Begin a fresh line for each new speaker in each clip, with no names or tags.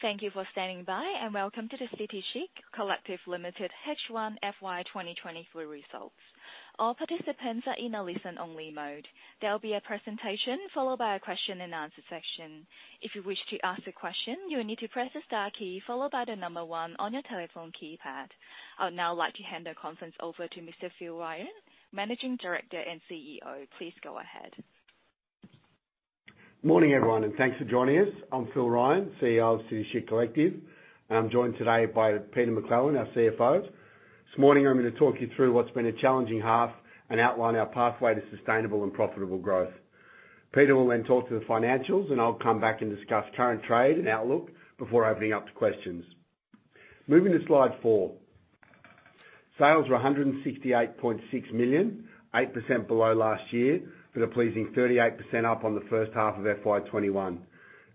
Thank you for standing by, and welcome to the City Chic Collective Limited H1 FY 2023 results. All participants are in a listen-only mode. There will be a presentation followed by a question and answer section. If you wish to ask a question, you'll need to press the star key followed by 1 on your telephone keypad. I would now like to hand the conference over to Mr. Phil Ryan, Managing Director and CEO. Please go ahead.
Morning, everyone, thanks for joining us. I'm Phil Ryan, CEO of City Chic Collective. I'm joined today by Peter McClelland, our CFO. This morning I'm gonna talk you through what's been a challenging half and outline our pathway to sustainable and profitable growth. Peter will then talk to the financials, and I'll come back and discuss current trade and outlook before opening up to questions. Moving to slide 4. Sales were 168.6 million, 8% below last year, with a pleasing 38% up on the first half of FY 2021.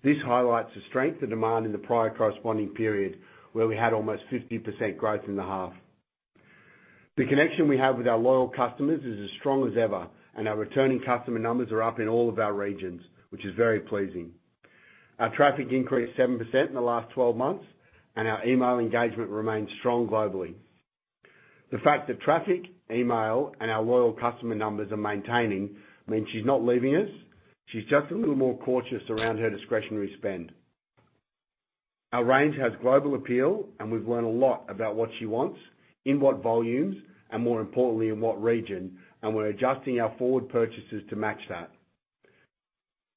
This highlights the strength and demand in the prior corresponding period, where we had almost 50% growth in the half. The connection we have with our loyal customers is as strong as ever, and our returning customer numbers are up in all of our regions, which is very pleasing. Our traffic increased 7% in the last 12 months, and our email engagement remains strong globally. The fact that traffic, email, and our loyal customer numbers are maintaining means she's not leaving us. She's just a little more cautious around her discretionary spend. Our range has global appeal and we've learned a lot about what she wants, in what volumes, and more importantly, in what region, and we're adjusting our forward purchases to match that.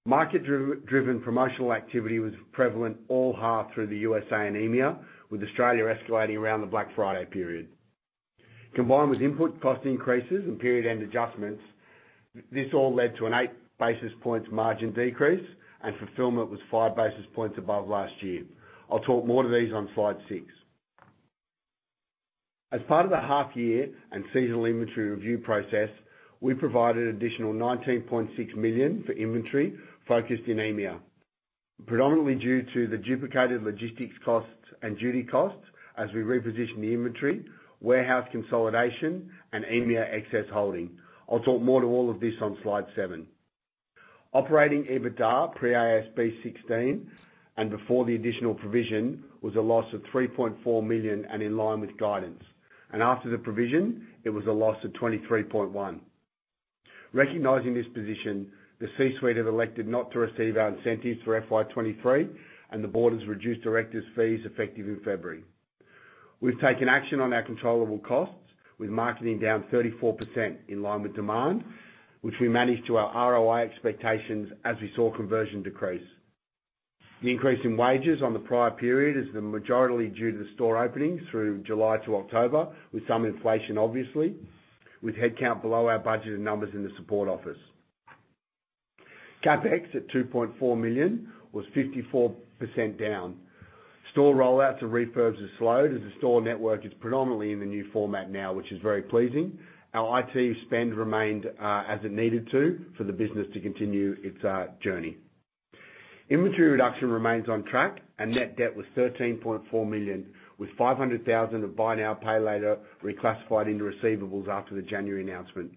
Market-driven promotional activity was prevalent all half through the USA and EMEA, with Australia escalating around the Black Friday period. Combined with input cost increases and period end adjustments, this all led to an eight basis points margin decrease and fulfillment was five basis points above last year. I'll talk more to these on slide 6. As part of the half year and seasonal inventory review process, we provided additional 19.6 million for inventory focused in EMEA, predominantly due to the duplicated logistics costs and duty costs as we reposition the inventory, warehouse consolidation, and EMEA excess holding. I'll talk more to all of this on slide 7. Operating EBITDA, pre-AASB 16, and before the additional provision, was a loss of 3.4 million and in line with guidance. After the provision, it was a loss of 23.1 million. Recognizing this position, the C-suite have elected not to receive our incentives for FY 2023, and the board has reduced directors' fees effective in February. We've taken action on our controllable costs with marketing down 34% in line with demand, which we managed to our ROI expectations as we saw conversion decrease. The increase in wages on the prior period is the majorly due to the store openings through July to October, with some inflation obviously, with headcount below our budgeted numbers in the support office. CapEx at 2.4 million was 54% down. Store rollouts and refurbs have slowed as the store network is predominantly in the new format now, which is very pleasing. Our IT spend remained as it needed to for the business to continue its journey. Inventory reduction remains on track and net debt was 13.4 million, with 500,000 of buy now, pay later reclassified into receivables after the January announcement.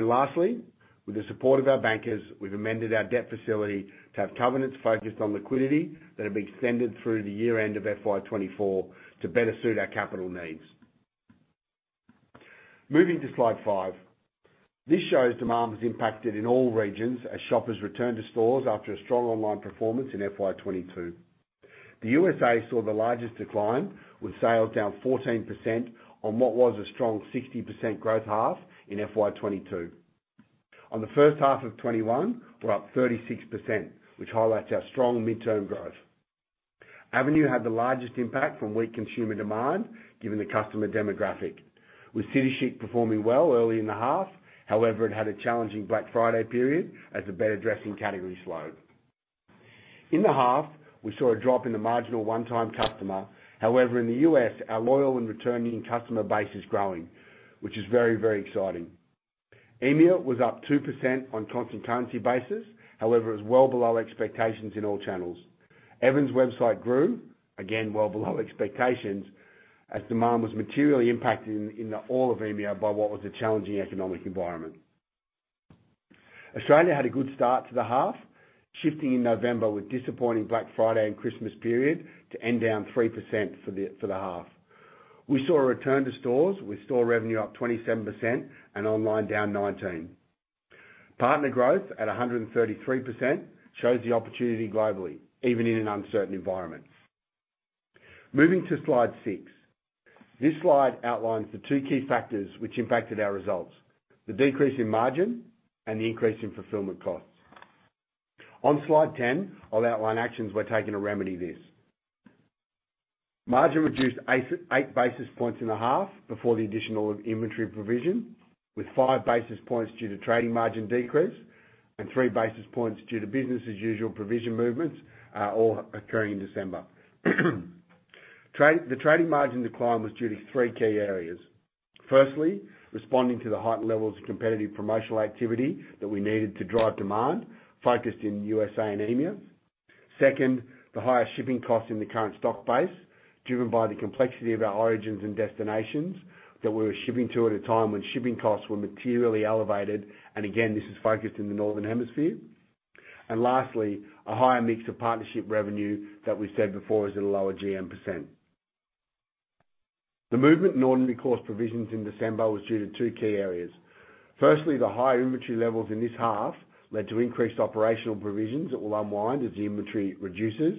Lastly, with the support of our bankers, we've amended our debt facility to have covenants focused on liquidity that have been extended through the year end of FY 2024 to better suit our capital needs. Moving to slide 5. This shows demand was impacted in all regions as shoppers returned to stores after a strong online performance in FY 2022. The USA saw the largest decline with sales down 14% on what was a strong 60% growth half in FY 2022. On the first half of 2021, we're up 36%, which highlights our strong midterm growth. Avenue had the largest impact from weak consumer demand given the customer demographic. With City Chic performing well early in the half, however, it had a challenging Black Friday period as the event dressing category slowed. In the half, we saw a drop in the marginal one-time customer. However, in the U.S., our loyal and returning customer base is growing, which is very, very exciting. EMEA was up 2% on constant currency basis. However, it was well below expectations in all channels. Evans' website grew, again, well below expectations as demand was materially impacted in the all of EMEA by what was a challenging economic environment. Australia had a good start to the half, shifting in November with disappointing Black Friday and Christmas period to end down 3% for the half. We saw a return to stores, with store revenue up 27% and online down 19%. Partner growth at 133% shows the opportunity globally, even in an uncertain environment. Moving to slide 6. This slide outlines the 2 key factors which impacted our results: the decrease in margin and the increase in fulfillment costs. On slide 10, I'll outline actions we're taking to remedy this. Margin reduced 8 basis points in the half before the additional inventory provision, with 5 basis points due to trading margin decrease and 3 basis points due to business as usual provision movements, all occurring in December. The trading margin decline was due to 3 key areas. Firstly, responding to the heightened levels of competitive promotional activity that we needed to drive demand focused in USA and EMEA. Second, the higher shipping costs in the current stock base. Driven by the complexity of our origins and destinations that we were shipping to at a time when shipping costs were materially elevated, and again, this is focused in the northern hemisphere. Lastly, a higher mix of partnership revenue that we said before is at a lower GM %. The movement in ordinary course provisions in December was due to 2 key areas. The higher inventory levels in this half led to increased operational provisions that will unwind as the inventory reduces.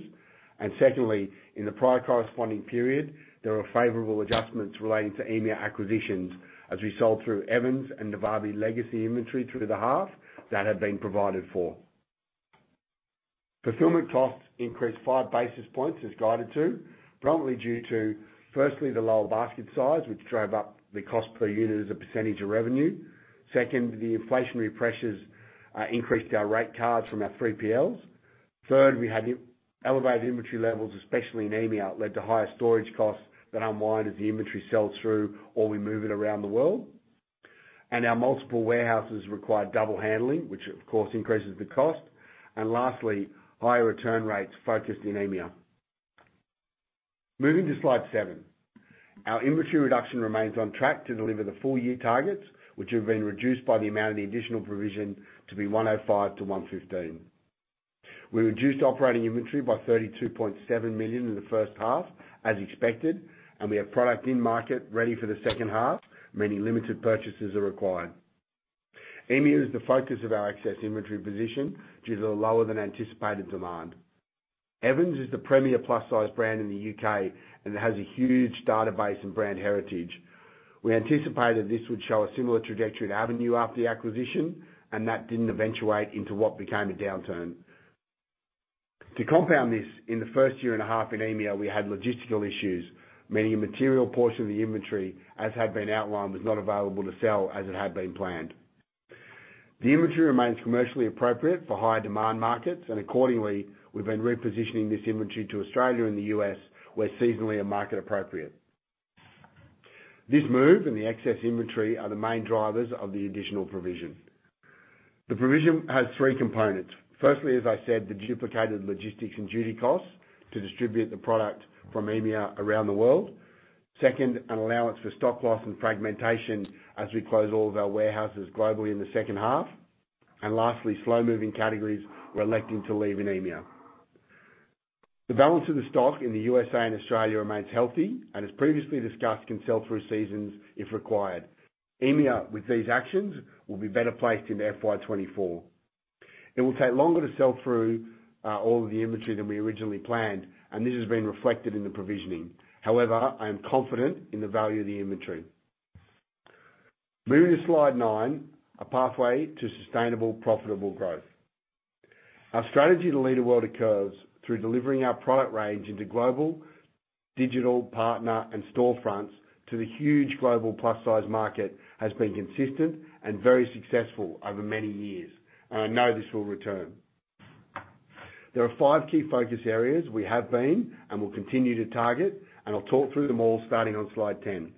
Secondly, in the prior corresponding period, there were favorable adjustments relating to EMEA acquisitions as we sold through Evans and Navabi legacy inventory through the half that had been provided for. Fulfillment costs increased 5 basis points as guided to, predominantly due to, firstly, the lower basket size, which drove up the cost per unit as a % of revenue. The inflationary pressures increased our rate cards from our 3PLs. We had in-elevated inventory levels, especially in EMEA, led to higher storage costs that unwind as the inventory sells through or we move it around the world. Our multiple warehouses required double handling, which of course increases the cost. Lastly, higher return rates focused in EMEA. Moving to slide 7. Our inventory reduction remains on track to deliver the full-year targets, which have been reduced by the amount of the additional provision to be 105 million-115 million. We reduced operating inventory by 32.7 million in the first half, as expected, and we have product in market ready for the second half, meaning limited purchases are required. EMEA is the focus of our excess inventory position due to the lower than anticipated demand. Evans is the premier plus-size brand in the U.K. and has a huge database and brand heritage. We anticipated this would show a similar trajectory to Avenue after the acquisition, and that didn't eventuate into what became a downturn. To compound this, in the first year and a half in EMEA, we had logistical issues, meaning a material portion of the inventory, as had been outlined, was not available to sell as it had been planned. The inventory remains commercially appropriate for higher demand markets, accordingly, we've been repositioning this inventory to Australia and the U.S., where seasonally are market appropriate. This move and the excess inventory are the main drivers of the additional provision. The provision has three components. Firstly, as I said, the duplicated logistics and duty costs to distribute the product from EMEA around the world. Second, an allowance for stock loss and fragmentation as we close all of our warehouses globally in the second half. Lastly, slow-moving categories we're electing to leave in EMEA. The balance of the stock in the USA and Australia remains healthy and as previously discussed, can sell through seasons if required. EMEA, with these actions, will be better placed in FY 2024. It will take longer to sell through all of the inventory than we originally planned. This has been reflected in the provisioning. However, I am confident in the value of the inventory. Moving to slide 9, a pathway to sustainable, profitable growth. Our strategy to lead a world occurs through delivering our product range into global, digital, partner, and storefronts to the huge global plus-size market has been consistent and very successful over many years. I know this will return. There are five key focus areas we have been and will continue to target. I'll talk through them all starting on slide 10.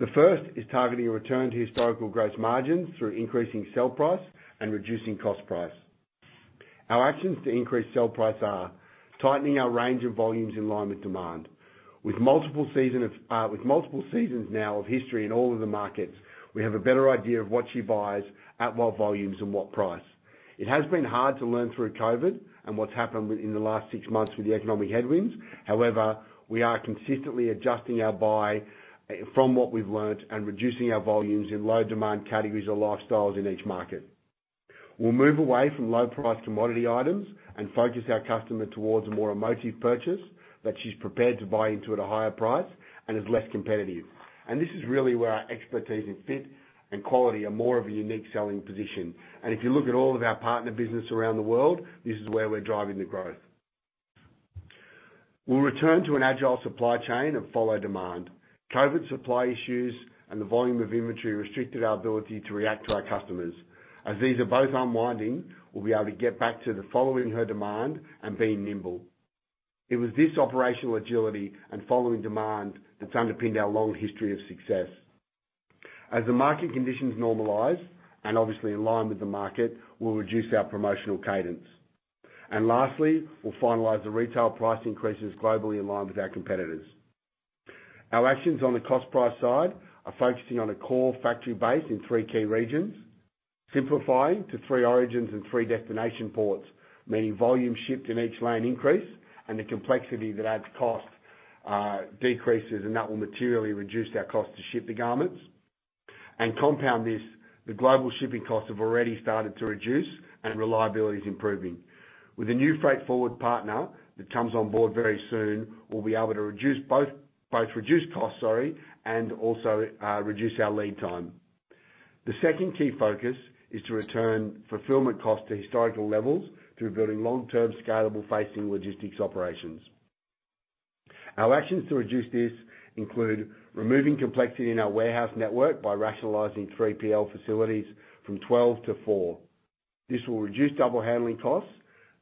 The first is targeting a return to historical gross margins through increasing sell price and reducing cost price. Our actions to increase sell price are tightening our range of volumes in line with demand. With multiple seasons now of history in all of the markets, we have a better idea of what she buys, at what volumes, and what price. It has been hard to learn through COVID and what's happened within the last six months with the economic headwinds. We are consistently adjusting our buy from what we've learned and reducing our volumes in low demand categories or lifestyles in each market. We'll move away from low price commodity items and focus our customer towards a more emotive purchase that she's prepared to buy into at a higher price and is less competitive. This is really where our expertise in fit and quality are more of a unique selling position. If you look at all of our partner business around the world, this is where we're driving the growth. We'll return to an agile supply chain and follow demand. COVID supply issues and the volume of inventory restricted our ability to react to our customers. As these are both unwinding, we'll be able to get back to the following her demand and being nimble. It was this operational agility and following demand that's underpinned our long history of success. As the market conditions normalize, and obviously in line with the market, we'll reduce our promotional cadence. Lastly, we'll finalize the retail price increases globally in line with our competitors. Our actions on the cost price side are focusing on a core factory base in 3 key regions, simplifying to 3 origins and 3 destination ports, meaning volume shipped in each lane increase and the complexity that adds cost decreases. That will materially reduce our cost to ship the garments. Compound this, the global shipping costs have already started to reduce and reliability is improving. With a new freight forward partner that comes on board very soon, we'll be able to both reduce costs, sorry, and also reduce our lead time. The second key focus is to return fulfillment costs to historical levels through building long-term scalable facing logistics operations. Our actions to reduce this include removing complexity in our warehouse network by rationalizing 3PL facilities from 12 to 4. This will reduce double handling costs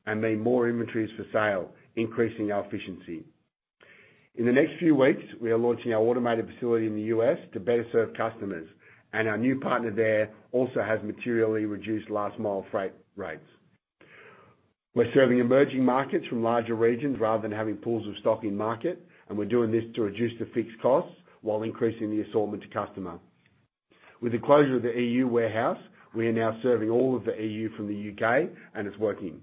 and mean more inventories for sale, increasing our efficiency. In the next few weeks, we are launching our automated facility in the U.S. to better serve customers, and our new partner there also has materially reduced last mile freight rates. We're serving emerging markets from larger regions rather than having pools of stock in market, and we're doing this to reduce the fixed costs while increasing the assortment to customer. With the closure of the E.U. warehouse, we are now serving all of the E.U. from the U.K., and it's working.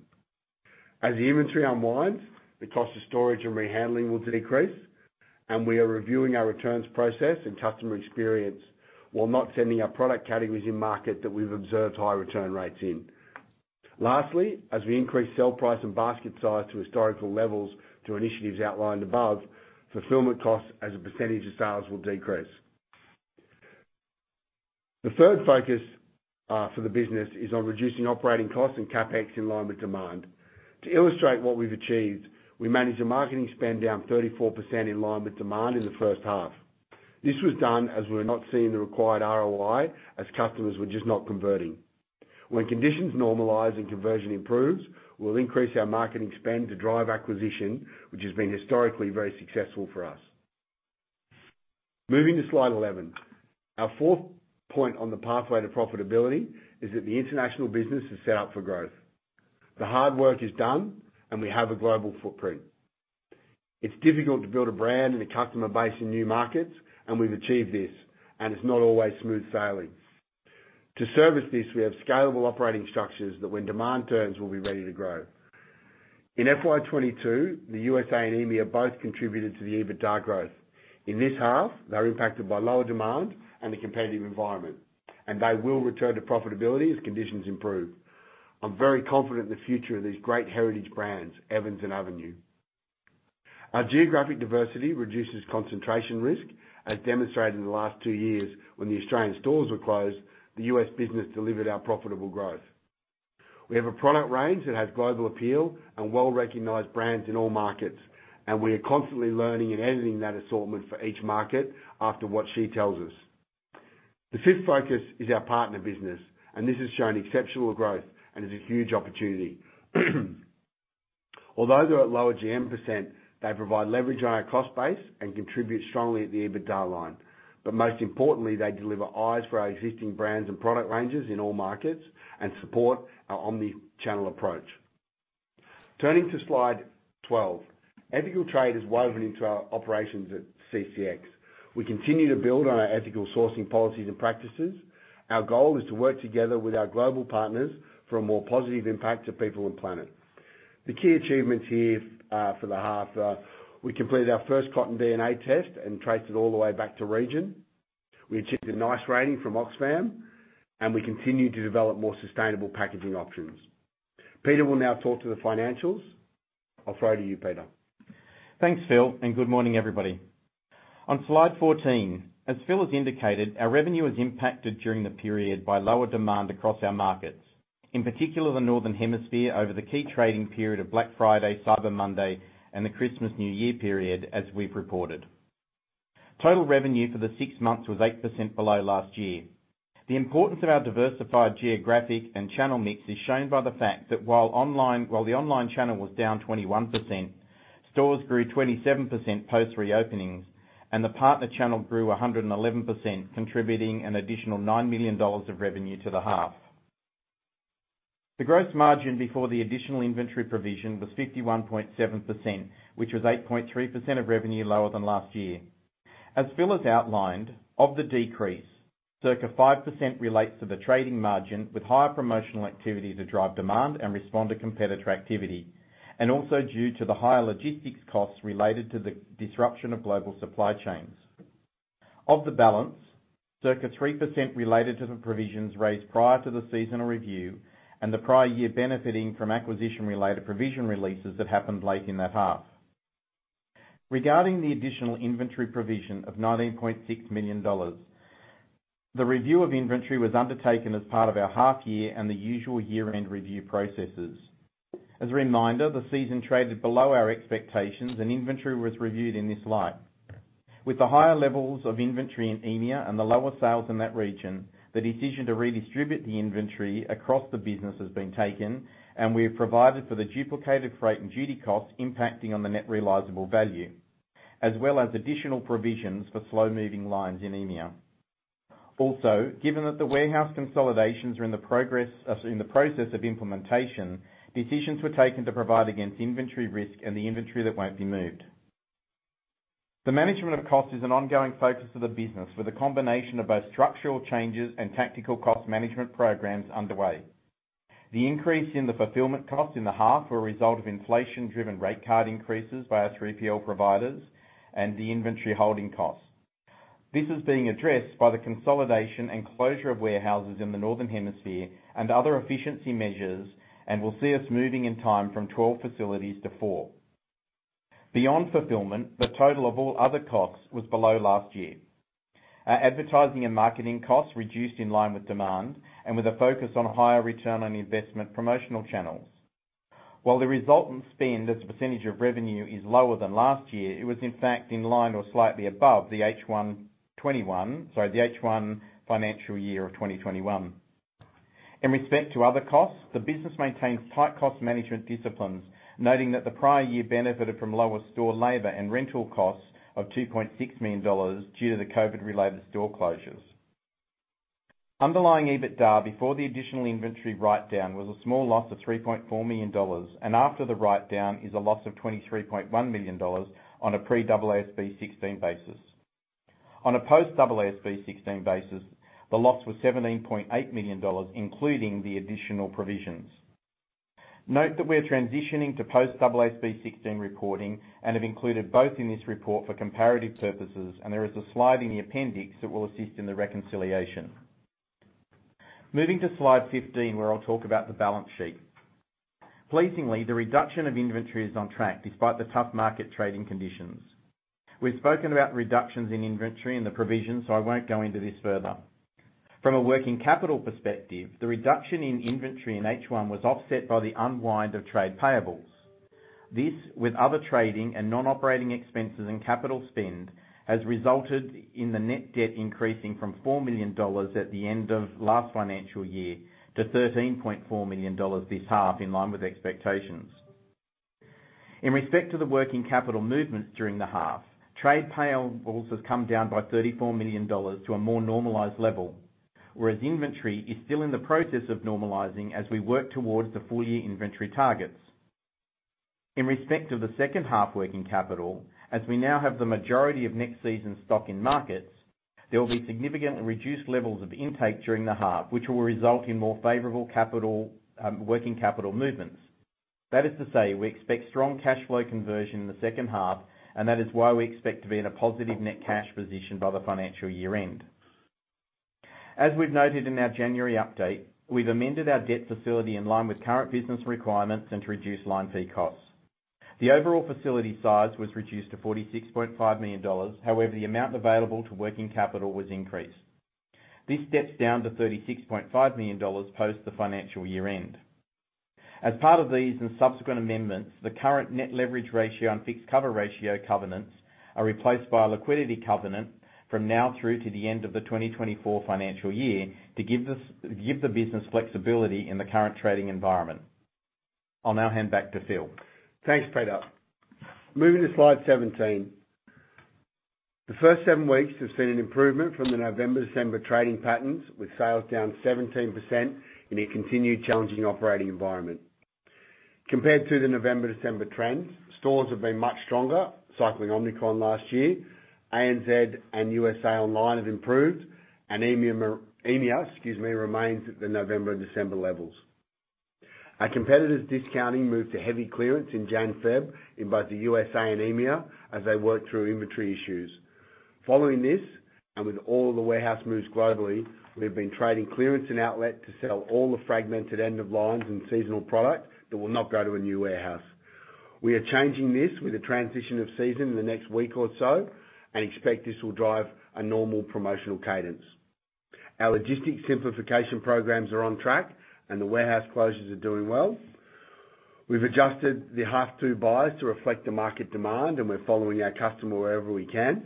As the inventory unwinds, the cost of storage and rehandling will decrease, and we are reviewing our returns process and customer experience while not sending our product categories in market that we've observed high return rates in. Lastly, as we increase sale price and basket size to historical levels to initiatives outlined above, fulfillment costs as a percentage of sales will decrease. The third focus for the business is on reducing operating costs and CapEx in line with demand. To illustrate what we've achieved, we managed a marketing spend down 34% in line with demand in the first half. This was done as we're not seeing the required ROI as customers were just not converting. When conditions normalize and conversion improves, we'll increase our marketing spend to drive acquisition, which has been historically very successful for us. Moving to slide 11. Our fourth point on the pathway to profitability is that the international business is set up for growth. The hard work is done, and we have a global footprint. It's difficult to build a brand and a customer base in new markets. We've achieved this, and it's not always smooth sailing. To service this, we have scalable operating structures that when demand turns will be ready to grow. In FY 2022, the USA and EMEA both contributed to the EBITDA growth. In this half, they're impacted by lower demand and the competitive environment. They will return to profitability as conditions improve. I'm very confident in the future of these great heritage brands, Evans and Avenue. Our geographic diversity reduces concentration risk. As demonstrated in the last two years when the Australian stores were closed, the U.S. business delivered our profitable growth. We have a product range that has global appeal and well-recognized brands in all markets. We are constantly learning and editing that assortment for each market after what she tells us. The fifth focus is our partner business, and this has shown exceptional growth and is a huge opportunity. Although they're at lower GM %, they provide leverage on our cost base and contribute strongly at the EBITDA line. Most importantly, they deliver eyes for our existing brands and product ranges in all markets and support our omni-channel approach. Turning to slide 12. Ethical trade is woven into our operations at CCX. We continue to build on our ethical sourcing policies and practices. Our goal is to work together with our global partners for a more positive impact to people and planet. The key achievements here for the half are we completed our first cotton DNA test and traced it all the way back to region. We achieved a nice rating from Oxfam, and we continued to develop more sustainable packaging options. Peter will now talk to the financials. I'll throw to you, Peter.
Thanks, Phil Ryan, and good morning, everybody. On slide 14, as Phil Ryan has indicated, our revenue is impacted during the period by lower demand across our markets, in particular the Northern Hemisphere over the key trading period of Black Friday, Cyber Monday, and the Christmas new year period, as we've reported. Total revenue for the 6 months was 8% below last year. The importance of our diversified geographic and channel mix is shown by the fact that while the online channel was down 21%, stores grew 27% post-reopenings, and the partner channel grew 111%, contributing an additional 9 million dollars of revenue to the half. The gross margin before the additional inventory provision was 51.7%, which was 8.3% of revenue lower than last year. As Phil has outlined, of the decrease, circa 5% relates to the trading margin with higher promotional activity to drive demand and respond to competitor activity, and also due to the higher logistics costs related to the disruption of global supply chains. Of the balance, circa 3% related to the provisions raised prior to the seasonal review and the prior year benefiting from acquisition-related provision releases that happened late in that half. Regarding the additional inventory provision of $19.6 million, the review of inventory was undertaken as part of our half year and the usual year-end review processes. As a reminder, the season traded below our expectations, and inventory was reviewed in this light. With the higher levels of inventory in EMEA and the lower sales in that region, the decision to redistribute the inventory across the business has been taken, and we have provided for the duplicated freight and duty costs impacting on the net realizable value, as well as additional provisions for slow-moving lines in EMEA. Also, given that the warehouse consolidations are as in the process of implementation, decisions were taken to provide against inventory risk and the inventory that won't be moved. The management of cost is an ongoing focus of the business with a combination of both structural changes and tactical cost management programs underway. The increase in the fulfillment cost in the half were a result of inflation-driven rate card increases by our 3PL providers and the inventory holding costs. This is being addressed by the consolidation and closure of warehouses in the Northern Hemisphere and other efficiency measures and will see us moving in time from 12 facilities to four. Beyond fulfillment, the total of all other costs was below last year. Our advertising and marketing costs reduced in line with demand and with a focus on higher return on investment promotional channels. While the resultant spend as a % of revenue is lower than last year, it was in fact in line or slightly above, sorry, the H1 financial year of 2021. In respect to other costs, the business maintains tight cost management disciplines, noting that the prior year benefited from lower store labor and rental costs of $2.6 million due to the COVID-related store closures. Underlying EBITDA before the additional inventory write-down was a small loss of $3.4 million. After the write-down is a loss of $23.1 million on a pre-AASB 16 basis. On a post-AASB 16 basis, the loss was $17.8 million, including the additional provisions. Note that we are transitioning to post-AASB 16 reporting and have included both in this report for comparative purposes, and there is a slide in the appendix that will assist in the reconciliation. Moving to slide 15, where I'll talk about the balance sheet. Pleasingly, the reduction of inventory is on track despite the tough market trading conditions. We've spoken about reductions in inventory and the provisions, I won't go into this further. From a working capital perspective, the reduction in inventory in H1 was offset by the unwind of trade payables. This, with other trading and non-operating expenses and capital spend, has resulted in the net debt increasing from 4 million dollars at the end of last financial year to 13.4 million dollars this half, in line with expectations. In respect to the working capital movements during the half, trade payables has come down by 34 million dollars to a more normalized level, whereas inventory is still in the process of normalizing as we work towards the full-year inventory targets. In respect of the second half working capital, as we now have the majority of next season's stock in markets, there will be significantly reduced levels of intake during the half, which will result in more favorable capital, working capital movements. That is to say, we expect strong cash flow conversion in the second half, and that is why we expect to be in a positive net cash position by the financial year-end. As we've noted in our January update, we've amended our debt facility in line with current business requirements and to reduce line fee costs. The overall facility size was reduced to 46.5 million dollars. However, the amount available to working capital was increased. This steps down to 36.5 million dollars post the financial year-end. As part of these and subsequent amendments, the current net leverage ratio and fixed cover ratio covenants are replaced by a liquidity covenant from now through to the end of the 2024 financial year to give the business flexibility in the current trading environment. I'll now hand back to Phil.
Thanks, Peter. Moving to slide 17. The first seven weeks have seen an improvement from the November, December trading patterns, with sales down 17% in a continued challenging operating environment. Compared to the November, December trends, stores have been much stronger, cycling Omicron last year. ANZ and USA online have improved and EMEA remains at the November, December levels. Our competitors' discounting moved to heavy clearance in January, February in both the USA and EMEA as they work through inventory issues. Following this, and with all the warehouse moves globally, we have been trading clearance and outlet to sell all the fragmented end of lines and seasonal product that will not go to a new warehouse. We are changing this with the transition of season in the next week or so and expect this will drive a normal promotional cadence. Our logistics simplification programs are on track, and the warehouse closures are doing well. We've adjusted the half 2 buys to reflect the market demand, and we're following our customer wherever we can.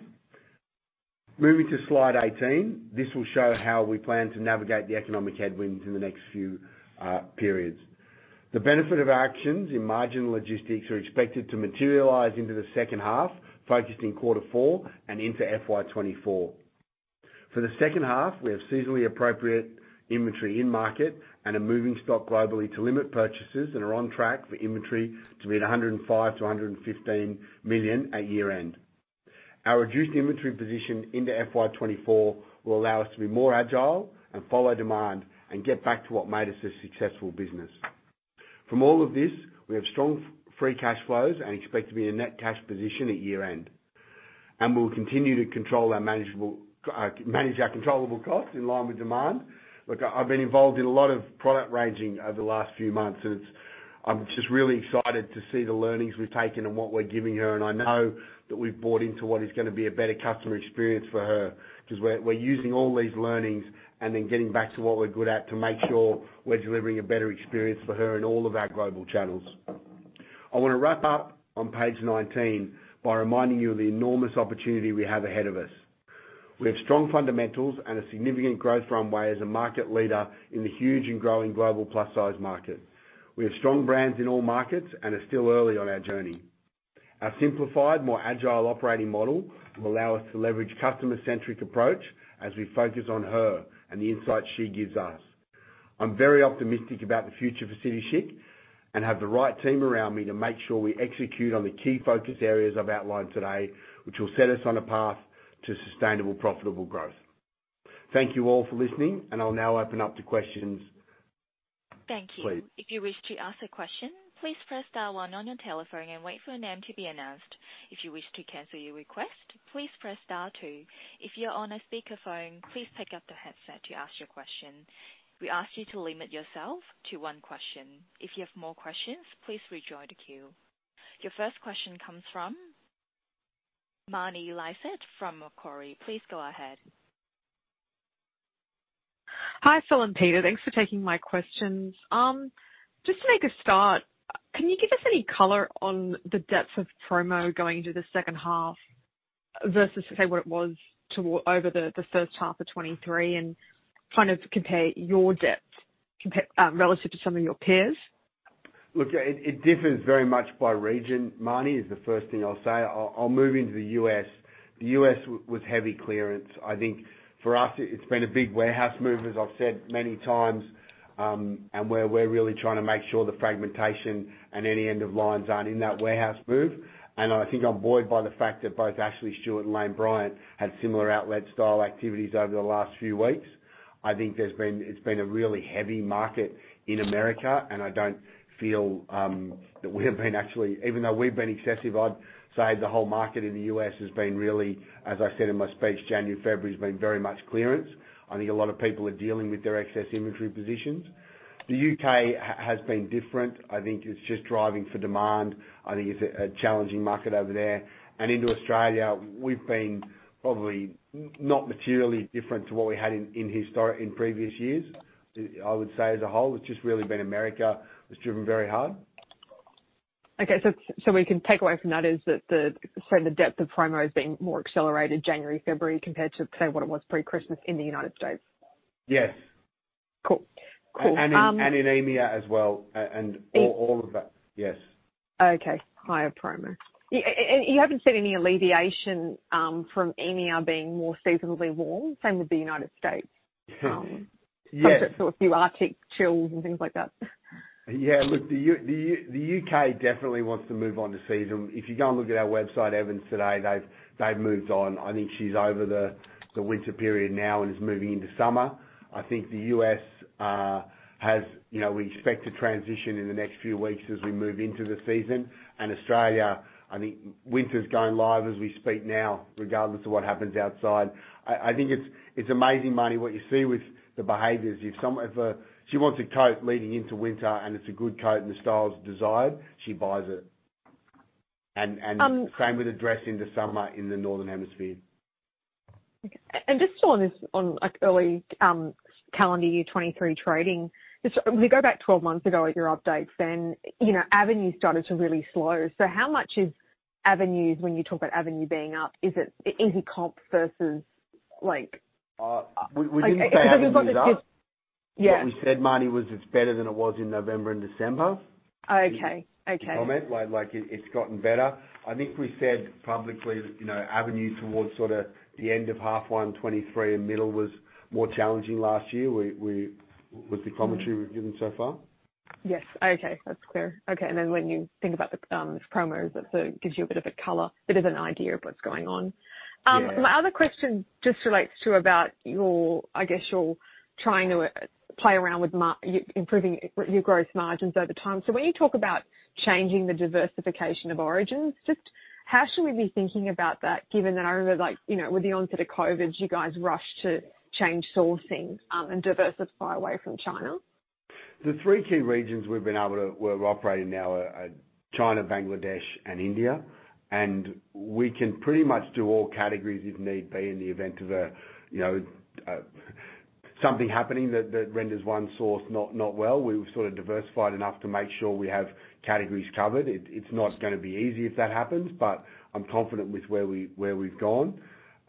Moving to slide 18, this will show how we plan to navigate the economic headwinds in the next few periods. The benefit of our actions in margin logistics are expected to materialize into the second half, focused in quarter 4 and into FY 2024. For the second half, we have seasonally appropriate inventory in market and are moving stock globally to limit purchases and are on track for inventory to be at 105 million-115 million at year-end. Our reduced inventory position into FY 2024 will allow us to be more agile and follow demand and get back to what made us a successful business. From all of this, we have strong free cash flows and expect to be in a net cash position at year-end. We'll continue to control our manageable, manage our controllable costs in line with demand. Look, I've been involved in a lot of product ranging over the last few months, I'm just really excited to see the learnings we've taken and what we're giving her, and I know that we've bought into what is gonna be a better customer experience for her 'cause we're using all these learnings and then getting back to what we're good at to make sure we're delivering a better experience for her in all of our global channels. I wanna wrap up on page 19 by reminding you of the enormous opportunity we have ahead of us. We have strong fundamentals and a significant growth runway as a market leader in the huge and growing global plus-size market. We have strong brands in all markets and are still early on our journey. Our simplified, more agile operating model will allow us to leverage customer-centric approach as we focus on her and the insights she gives us. I'm very optimistic about the future for City Chic and have the right team around me to make sure we execute on the key focus areas I've outlined today, which will set us on a path to sustainable, profitable growth. Thank you all for listening, and I'll now open up to questions.
Thank you.
Please.
If you wish to ask a question, please press star 1 on your telephone and wait for your name to be announced. If you wish to cancel your request, please press star 2. If you're on a speakerphone, please pick up the headset to ask your question. We ask you to limit yourself to 1 question. If you have more questions, please rejoin the queue. Your first question comes from Marni Lysaght from Macquarie. Please go ahead.
Hi, Phil and Peter. Thanks for taking my questions. Just to make a start, can you give us any color on the depth of promo going into the second half versus, say, what it was over the first half of 2023 and kind of compare your depth relative to some of your peers?
It differs very much by region, Marnie, is the first thing I'll say. I'll move into the US. The US was heavy clearance. For us it's been a big warehouse move, as I've said many times, where we're really trying to make sure the fragmentation and any end of lines aren't in that warehouse move. I'm buoyed by the fact that both Ashley Stewart and Lane Bryant had similar outlet style activities over the last few weeks. It's been a really heavy market in America, I don't feel that we have been. Even though we've been excessive, I'd say the whole market in the US has been really, as I said in my speech, January, February's been very much clearance. A lot of people are dealing with their excess inventory positions. The UK has been different. I think it's just driving for demand. I think it's a challenging market over there. Into Australia, we've been probably not materially different to what we had in previous years. I would say as a whole, it's just really been America that's driven very hard.
Okay. We can take away from that is that sort of the depth of promo is being more accelerated January, February, compared to, say, what it was pre-Christmas in the United States.
Yes.
Cool. Cool.
In EMEA as well. All of that. Yes.
Okay, higher promo. Yeah. You haven't seen any alleviation, from EMEA being more seasonably warm, same with the United States.
Yes.
After sort of a few arctic chills and things like that?
Yeah. Look, the U.K. definitely wants to move on to season. If you go and look at our website, Evans, today, they've moved on. I think she's over the winter period now and is moving into summer. I think the U.S. has, you know, we expect to transition in the next few weeks as we move into the season. Australia, I think winter's going live as we speak now, regardless of what happens outside. I think it's amazing, Marni, what you see with the behaviors. If she wants a coat leading into winter and it's a good coat and the style's desired, she buys it.
Um-
Same with a dress into summer in the northern hemisphere.
Just on this, on, like, early calendar year 2023 trading, just if we go back 12 months ago at your updates, then, you know, Avenue started to really slow. How much is Avenue when you talk about Avenue being up? Is it easy comp versus, like-
We didn't say Avenue's up.
Like, because we've got this... Yeah.
What we said, Marnie, was it's better than it was in November and December.
Oh, okay. Okay.
The comment. Like, it's gotten better. I think we said publicly that, you know, Avenue towards sorta the end of half 1 2023 and middle was more challenging last year. With the commentary we've given so far.
Yes. Okay. That's clear. Okay. Then when you think about the promos, that sort of gives you a bit of a color, a bit of an idea of what's going on.
Yeah.
My other question just relates to about your, I guess, your trying to play around with you improving your growth margins over time. When you talk about changing the diversification of origins, just how should we be thinking about that, given that I remember like, you know, with the onset of COVID, you guys rushed to change sourcing, and diversify away from China?
The three key regions we've been able to, we're operating now are China, Bangladesh and India. We can pretty much do all categories if need be in the event of a, you know, something happening that renders one source not well. We're sort of diversified enough to make sure we have categories covered. It's not gonna be easy if that happens, but I'm confident with where we, where we've gone.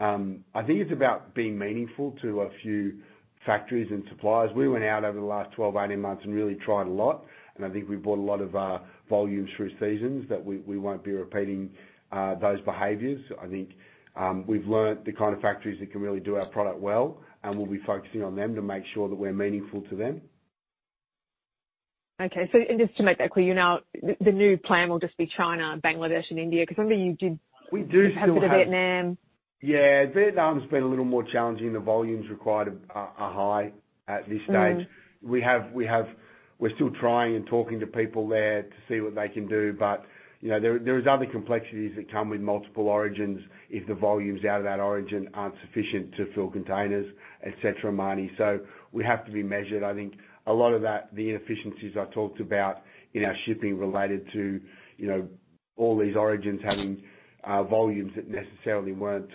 I think it's about being meaningful to a few factories and suppliers. We went out over the last 12, 18 months and really tried a lot, and I think we bought a lot of our volumes through seasons, but we won't be repeating those behaviors. I think, we've learned the kind of factories that can really do our product well. We'll be focusing on them to make sure that we're meaningful to them.
Okay. Just to make that clear now, the new plan will just be China, Bangladesh and India, 'cause I remember you.
We do still have.
Have a bit of Vietnam.
Yeah. Vietnam's been a little more challenging. The volumes required are high at this stage.
Mm-hmm.
We're still trying and talking to people there to see what they can do. you know, there is other complexities that come with multiple origins if the volumes out of that origin aren't sufficient to fill containers, et cetera, Marni. We have to be measured. I think a lot of that, the inefficiencies I talked about in our shipping related to, you know, all these origins having volumes that necessarily weren't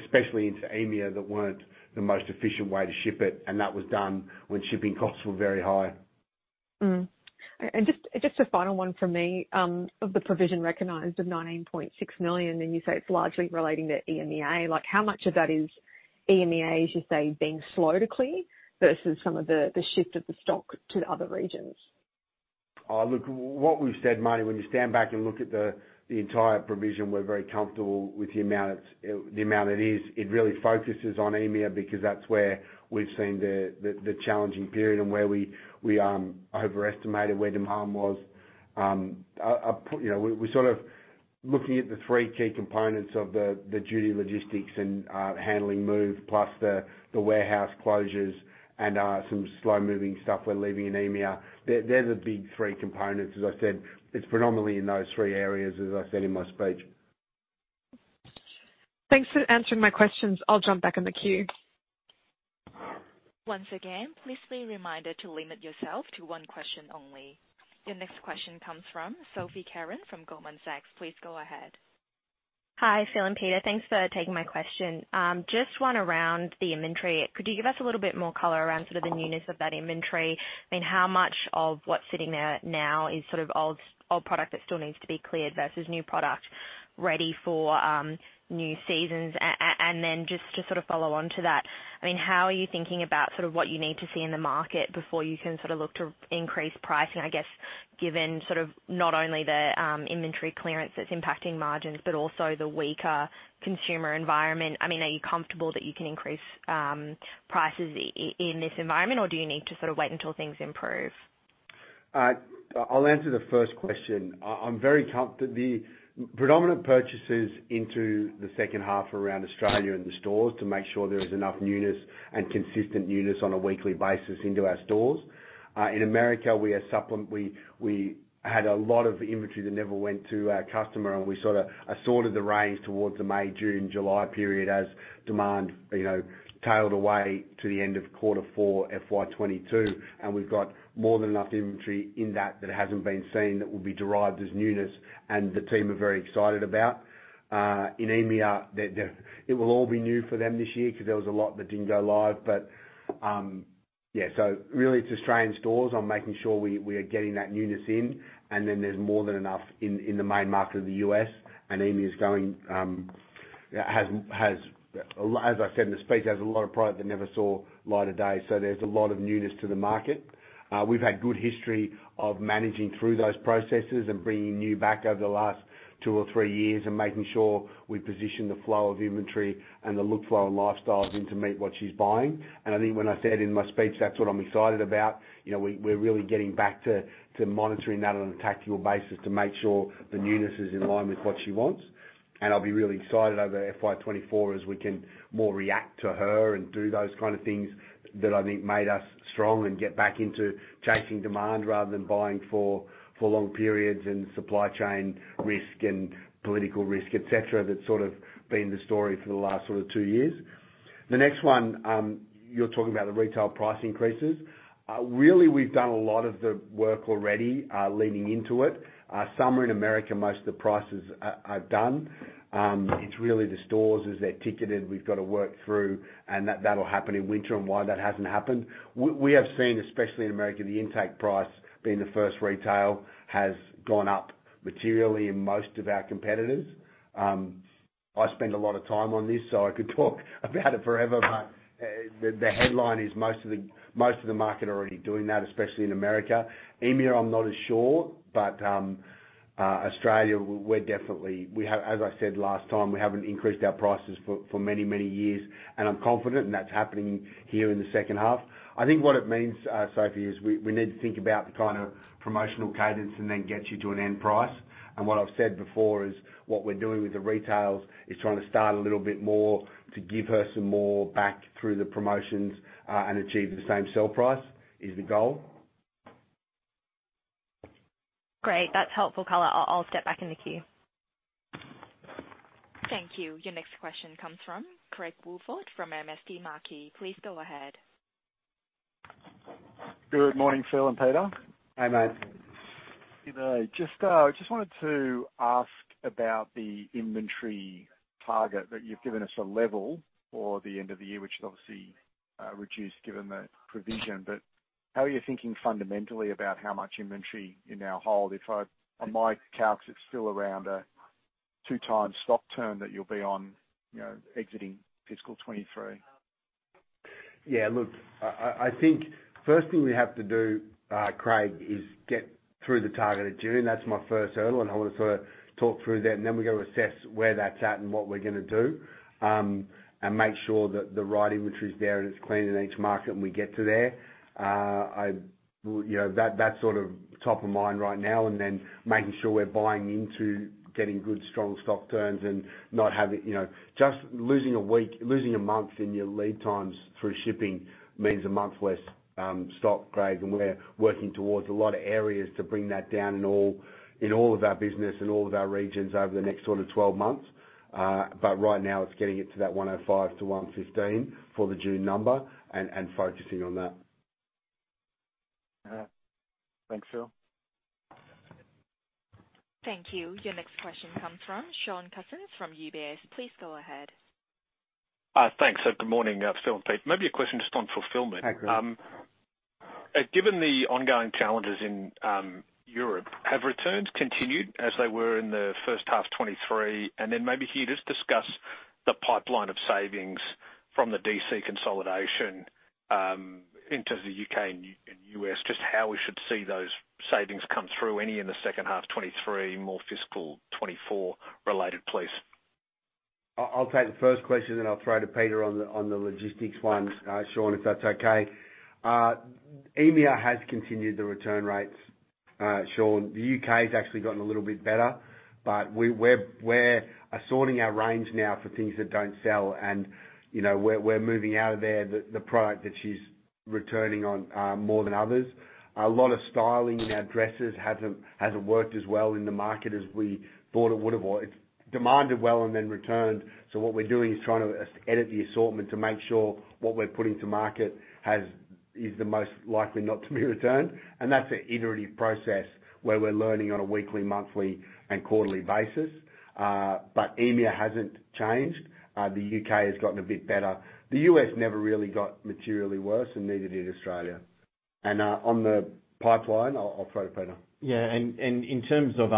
especially into EMEA, that weren't the most efficient way to ship it. That was done when shipping costs were very high.
Just a final one from me, of the provision recognized of 19.6 million, and you say it's largely relating to EMEA. Like, how much of that is EMEA, as you say, being slow to clear versus some of the shift of the stock to the other regions?
Look, what we've said, Marni, when you stand back and look at the entire provision, we're very comfortable with the amount it is. It really focuses on EMEA because that's where we've seen the challenging period and where we overestimated where demand was. I, you know, we're sort of looking at the three key components of the duty logistics and handling move, plus the warehouse closures and some slow-moving stuff we're leaving in EMEA. They're the big three components. As I said, it's predominantly in those three areas, as I said in my speech.
Thanks for answering my questions. I'll jump back in the queue.
Once again, please be reminded to limit yourself to one question only. Your next question comes from Sophie Carran from Goldman Sachs. Please go ahead.
Hi, Phil and Peter. Thanks for taking my question. Just one around the inventory. Could you give us a little bit more color around sort of the newness of that inventory? I mean, how much of what's sitting there now is sort of old product that still needs to be cleared versus new product ready for new seasons? Then just to sort of follow on to that, I mean, how are you thinking about sort of what you need to see in the market before you can sort of look to increase price? I guess, given sort of not only the inventory clearance that's impacting margins, but also the weaker consumer environment. I mean, are you comfortable that you can increase prices in this environment, or do you need to sort of wait until things improve?
I'll answer the first question. The predominant purchase is into the second half around Australia and the stores to make sure there is enough newness and consistent newness on a weekly basis into our stores. In America, we had a lot of inventory that never went to our customer, and we sorta assorted the range towards the May, June, July period as demand, you know, tailed away to the end of quarter four, FY 2022, we've got more than enough inventory in that that hasn't been seen that will be derived as newness, and the team are very excited about. In EMEA, the it will all be new for them this year 'cause there was a lot that didn't go live but Really it's Australian stores on making sure we are getting that newness in, there's more than enough in the main market of the US and EMEA is going. As I said in the speech, has a lot of product that never saw light of day. There's a lot of newness to the market. We've had good history of managing through those processes and bringing new back over the last two or three years and making sure we position the flow of inventory and the look flow and lifestyles in to meet what she's buying. I think when I said in my speech, that's what I'm excited about. You know, we're really getting back to monitoring that on a tactical basis to make sure the newness is in line with what she wants. I'll be really excited over FY 2024 as we can more react to her and do those kind of things that I think made us strong and get back into chasing demand rather than buying for long periods and supply chain risk and political risk, et cetera. That's sort of been the story for the last sort of 2 years. The next one, you're talking about the retail price increases. Really we've done a lot of the work already, leaning into it. Summer in America, most of the prices are done. It's really the stores as they're ticketed, we've got to work through and that'll happen in winter and why that hasn't happened. We have seen, especially in America, the intake price being the first retail has gone up materially in most of our competitors. I spend a lot of time on this, so I could talk about it forever, but the headline is most of the market are already doing that, especially in America. EMEA, I'm not as sure, but Australia we have as I said last time, we haven't increased our prices for many, many years and I'm confident, and that's happening here in the second half. I think what it means, Sophie, is we need to think about the kind of promotional cadence and then get you to an end price. What I've said before is what we're doing with the retails is trying to style a little bit more to give her some more back through the promotions and achieve the same sell price is the goal.
Great. That's helpful color. I'll step back in the queue.
Thank you. Your next question comes from Craig Woolford from MST Marquee. Please go ahead.
Good morning, Phil and Peter.
Hey, mate.
Just wanted to ask about the inventory target that you've given us a level for the end of the year, which is obviously reduced given the provision. How are you thinking fundamentally about how much inventory you now hold? On my calcs, it's still around a 2-times stock turn that you'll be on, you know, exiting fiscal 2023.
Look, I think first thing we have to do, Craig, is get through the target of June. That's my first hurdle, and I wanna sorta talk through that, and then we've got to assess where that's at and what we're gonna do, and make sure that the right inventory is there and it's clean in each market when we get to there. You know, that's sort of top of mind right now and then making sure we're buying into getting good, strong stock turns and not having, you know, just losing a week, losing a month in your lead times through shipping means a month less stock, Craig, we're working towards a lot of areas to bring that down in all of our business and all of our regions over the next sort of 12 months. Right now it's getting it to that 105 million to 115 million for the June number and focusing on that.
Thanks, Phil.
Thank you. Your next question comes from Sean Cousins from UBS. Please go ahead.
thanks. good morning, Phil and Peter. Maybe a question just on fulfillment.
Hi, Sean.
Given the ongoing challenges in Europe, have returns continued as they were in the first half 2023? Maybe can you just discuss the pipeline of savings from the D.C. consolidation, in terms of U.K. and U.S., just how we should see those savings come through, any in the second half of 2023, more fiscal 2024 related, please.
I'll take the first question, then I'll throw to Peter on the logistics one, Sean, if that's okay. EMEA has continued the return rates, Sean. The UK's actually gotten a little bit better, but we're assorting our range now for things that don't sell and, you know, we're moving out of there the product that she's returning on more than others. A lot of styling in our dresses hasn't worked as well in the market as we thought it would have, or it's demanded well and then returned. What we're doing is trying to edit the assortment to make sure what we're putting to market is the most likely not to be returned. That's an iterative process where we're learning on a weekly, monthly and quarterly basis. EMEA hasn't changed. The U.K. has gotten a bit better. The U.S. never really got materially worse and neither did Australia. On the pipeline, I'll throw to Peter.
In terms of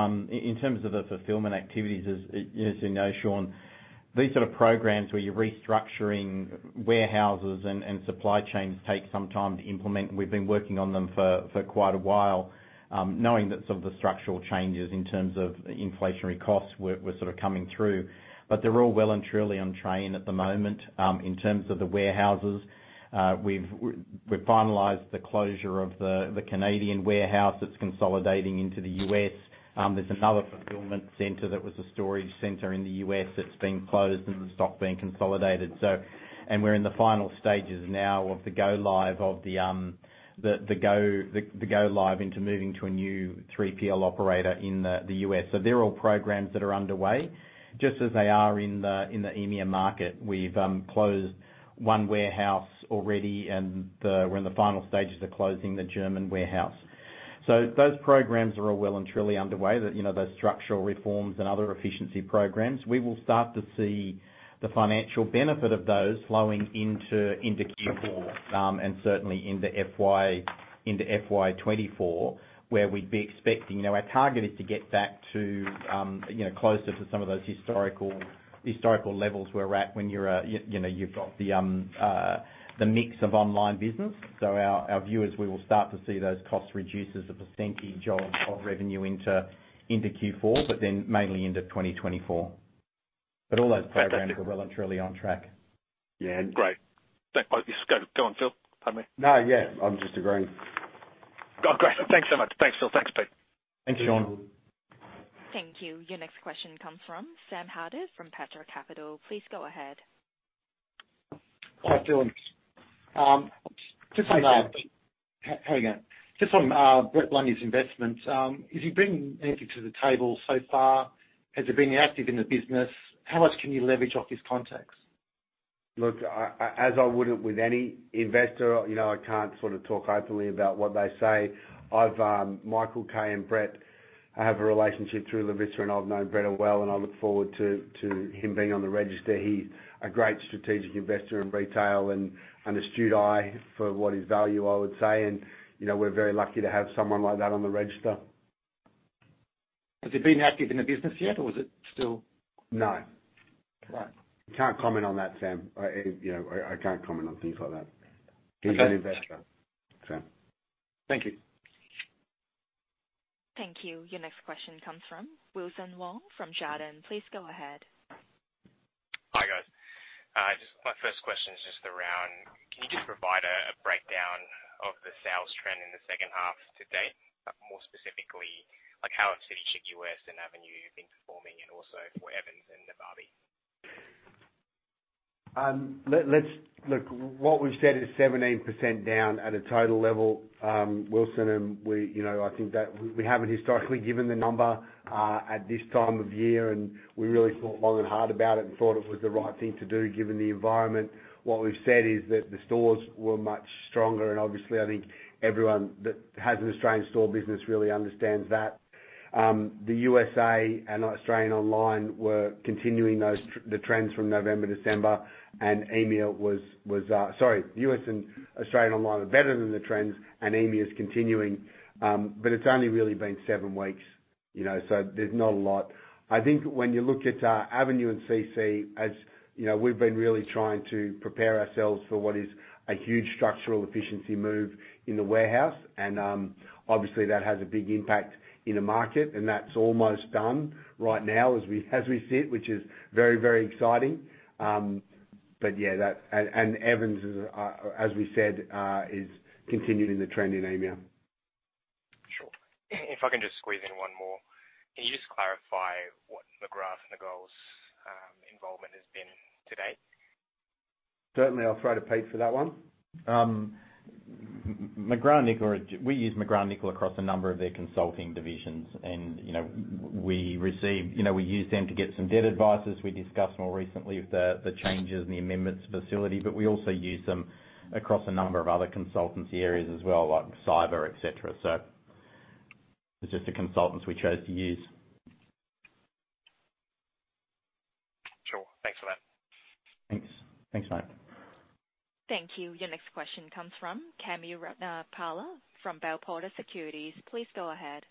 the fulfillment activities, as you know, Sean, these sort of programs where you're restructuring warehouses and supply chains take some time to implement. We've been working on them for quite a while, knowing that some of the structural changes in terms of inflationary costs were sort of coming through. They're all well and truly on train at the moment. In terms of the warehouses, we've finalized the closure of the Canadian warehouse that's consolidating into the US. There's another fulfillment center that was a storage center in the US that's been closed and the stock being consolidated. We're in the final stages now of the go live into moving to a new 3PL operator in the US. They're all programs that are underway just as they are in the EMEA market. We've closed one warehouse already, we're in the final stages of closing the German warehouse. Those programs are all well and truly underway. You know, the structural reforms and other efficiency programs. We will start to see the financial benefit of those flowing into Q4 and certainly into FY 2024, where we'd be expecting... Our target is to get back to, you know, closer to some of those historical levels we're at when you're, you know, you've got the mix of online business. Our view is we will start to see those costs reduce as a percentage of revenue into Q4, mainly into 2024. All those programs-
Fantastic.
Are well and truly on track.
Yeah.
Great. Don't quote me. Go on, Phil. Pardon me.
No. Yeah. I'm just agreeing.
Oh, great. Thanks so much. Thanks, Phil. Thanks, Peter.
Thanks, Sean.
Thank you. Your next question comes from Sam Harder from Petra Capital. Please go ahead.
Hi, Phil. Just on that.
Hi, Sam.
Hear me now. Just on Brett Blundy's investment, is he bringing anything to the table so far? Has he been active in the business? How much can you leverage off his contacts?
Look, I, as I would with any investor, you know, I can't sort of talk openly about what they say. I've, Michael Kay and Brett have a relationship through Lovisa, and I've known Brett well, and I look forward to him being on the register. He's a great strategic investor in retail and an astute eye for what is value, I would say. You know, we're very lucky to have someone like that on the register.
Has he been active in the business yet or is it still-?
No.
Right.
Can't comment on that, Sam. I, you know, I can't comment on things like that.
Okay.
He's an investor.
Thank you.
Thank you. Your next question comes from Wilson Wong from Jarden. Please go ahead.
Hi, guys. My first question is just around, can you provide a breakdown of the sales trend in the second half to date? More specifically, like how have City Chic U.S. and Avenue been performing, and also for Evans and Navabi?
Let's Look, what we've said is 17% down at a total level, Wilson. We, you know, I think that we haven't historically given the number at this time of year, and we really thought long and hard about it and thought it was the right thing to do given the environment. What we've said is that the stores were much stronger and obviously I think everyone that has an Australian store business really understands that. The USA and Australian online were continuing those, the trends from November, December, and EMEA was. Sorry. The U.S. and Australian online are better than the trends, and EMEA is continuing. It's only really been seven weeks, you know, so there's not a lot. I think when you look at, Avenue and CC, as, you know, we've been really trying to prepare ourselves for what is a huge structural efficiency move in the warehouse, and, obviously that has a big impact in the market, and that's almost done right now as we sit, which is very, very exciting. Evans is, as we said, is continuing the trend in EMEA.
Sure. If I can just squeeze in one more. Can you just clarify what McGrathNicol's involvement has been to date?
Certainly. I'll throw to Peter for that one.
We use McGrathNicol across a number of their consulting divisions. You know, we use them to get some debt advice, as we discussed more recently with the changes and the amendments facility. We also use them across a number of other consultancy areas as well, like cyber, et cetera. It's just the consultants we chose to use.
Sure. Thanks for that.
Thanks. Thanks, mate.
Thank you. Your next question comes from Chamithri Ratnapala from Bell Potter Securities. Please go ahead.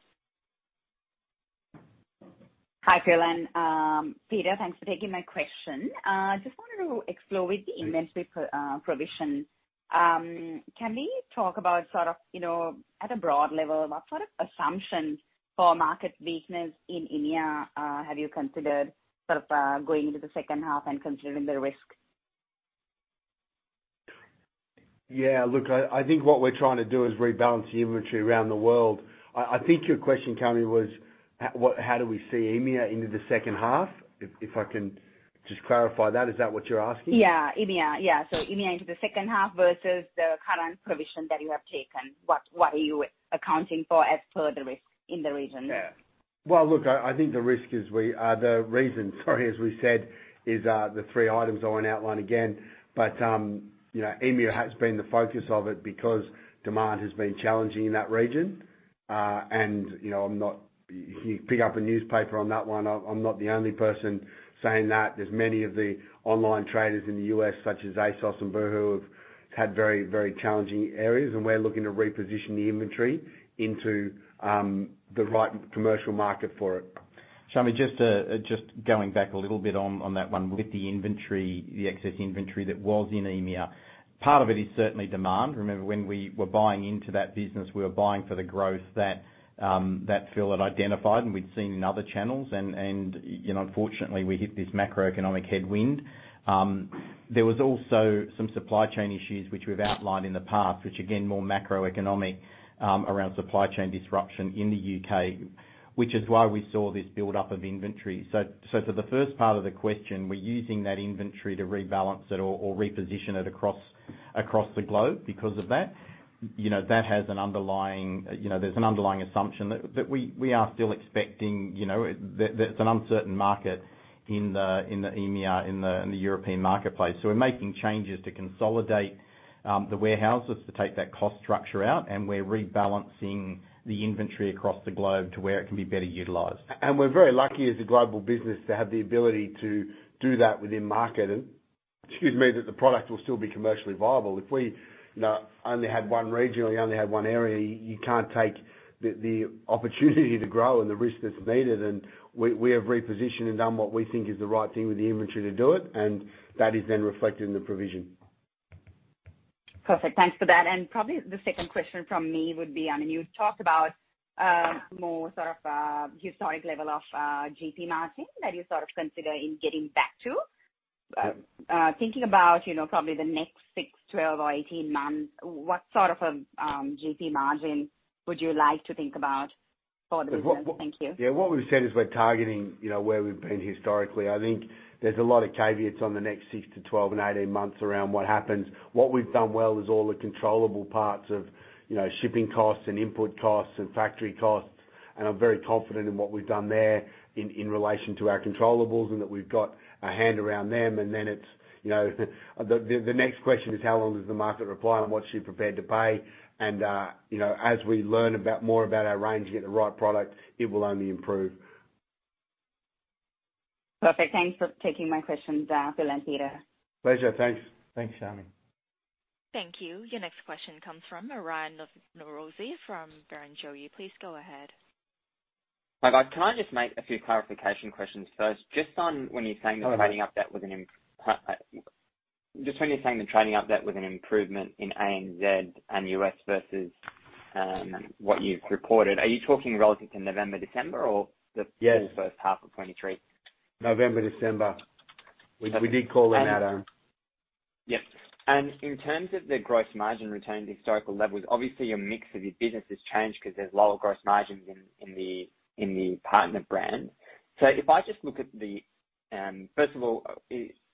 Hi, Phil and Peter. Thanks for taking my question. Just wanted to explore with the inventory provision. Can we talk about sort of, you know, at a broad level, what sort of assumptions for market weakness in EMEA have you considered sort of going into the second half and considering the risk?
Yeah. Look, I think what we're trying to do is rebalance the inventory around the world. I think your question, Chamithri, was how do we see EMEA into the second half? If I can just clarify that, is that what you're asking?
Yeah. EMEA. Yeah. EMEA into the second half versus the current provision that you have taken. What are you accounting for as per the risk in the region?
Yeah. Well, look, I think the risk is we, the reason as we said, is the three items I won't outline again. You know, EMEA has been the focus of it because demand has been challenging in that region. You know, I'm not. You pick up a newspaper on that one, I'm not the only person saying that. There's many of the online traders in the US such as ASOS and Boohoo have had very, very challenging areas, and we're looking to reposition the inventory into the right commercial market for it.
Chamithri, just going back a little bit on that one. With the inventory, the excess inventory that was in EMEA, part of it is certainly demand. Remember, when we were buying into that business, we were buying for the growth that Phil had identified and we'd seen in other channels and, you know, unfortunately, we hit this macroeconomic headwind. There was also some supply chain issues which we've outlined in the past, which again, more macroeconomic, around supply chain disruption in the UK, which is why we saw this buildup of inventory. For the first part of the question, we're using that inventory to rebalance it or reposition it across the globe because of that. You know, that has an underlying, you know, there's an underlying assumption that we are still expecting, you know, that there's an uncertain market in the, in the EMEA, in the, in the European marketplace. We're making changes to consolidate the warehouses to take that cost structure out, and we're rebalancing the inventory across the globe to where it can be better utilized.
We're very lucky as a global business to have the ability to do that within market. Excuse me. That the product will still be commercially viable. If we, you know, only had one region or you only had one area, you can't take the opportunity to grow and the risk that's needed. We have repositioned and done what we think is the right thing with the inventory to do it, and that is then reflected in the provision.
Perfect. Thanks for that. Probably the second question from me would be, I mean, you've talked about more sort of historic level of GP margin that you sort of considering getting back to. Thinking about, you know, probably the next 6, 12 or 18 months, what sort of GP margin would you like to think about for the business? Thank you.
Yeah. What we've said is we're targeting, you know, where we've been historically. I think there's a lot of caveats on the next 6 to 12 and 18 months around what happens. What we've done well is all the controllable parts of, you know, shipping costs and input costs and factory costs. I'm very confident in what we've done there in relation to our controllables and that we've got a hand around them. Then it's, you know, the next question is how long does the market reply and what's she prepared to pay? You know, as we learn about more about our range, get the right product, it will only improve.
Perfect. Thanks for taking my questions, Phil and Peter.
Pleasure. Thanks.
Thanks, Chamithri.
Thank you. Your next question comes from Aryan Norozi from Barrenjoey. Please go ahead.
Hi, guys. Can I just make a few clarification questions first? Just on when you're saying the trading update was an.
Hello, Aryan
Just when you're saying the trading update was an improvement in ANZ and US versus, what you've reported, are you talking relative to November, December or?
Yes
full first half of 2023?
November, December. We did call them out, Aryan.
Yes. In terms of the gross margin returning to historical levels, obviously your mix of your business has changed because there's lower gross margins in the, in the partner brand. If I just look at the... First of all,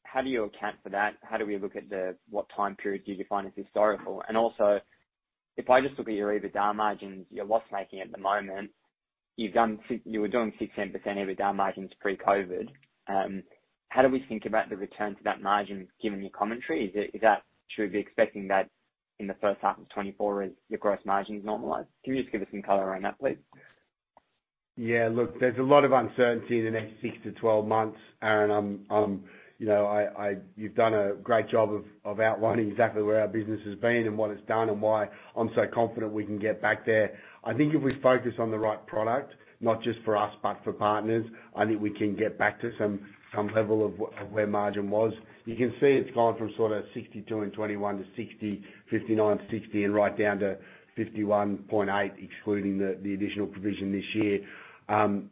how do you account for that? How do we look at what time period do you define as historical? Also, if I just look at your EBITDA margins, your loss making at the moment, you were doing 16% EBITDA margins pre-COVID. How do we think about the return to that margin given your commentary? Should we be expecting that in the first half of 2024 as your gross margin is normalized? Can you just give us some color on that, please?
Yeah. Look, there's a lot of uncertainty in the next 6 to 12 months, Aaron. You know, you've done a great job of outlining exactly where our business has been and what it's done and why I'm so confident we can get back there. I think if we focus on the right product, not just for us, but for partners, I think we can get back to some level of where margin was. You can see it's gone from sort of 62% in 2021 to 60%, 59% to 60% and right down to 51.8%, excluding the additional provision this year.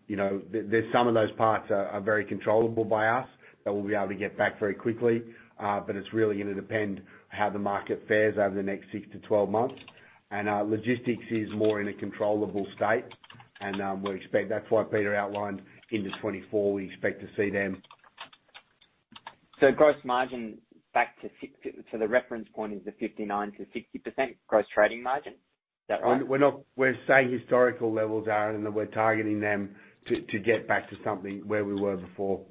You know, there's some of those parts are very controllable by us that we'll be able to get back very quickly. It's really gonna depend how the market fares over the next 6 to 12 months. Our logistics is more in a controllable state, and we expect that's why Peter outlined into 2024, we expect to see them.
Gross margin back to the reference point is the 59%-60% gross trading margin. Is that right?
We're saying historical levels, Aryan, and that we're targeting them to get back to something where we were before.